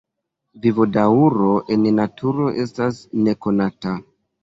Vivodaŭro en naturo estas nekonata.